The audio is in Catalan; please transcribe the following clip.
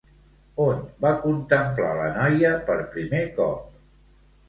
On va contemplar la noia per primer cop?